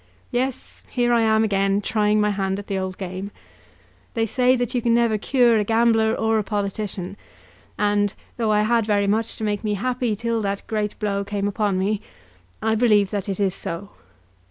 Yes, here I am again, trying my hand at the old game. They say that you can never cure a gambler or a politician; and, though I had very much to make me happy till that great blow came upon me, I believe that it is so.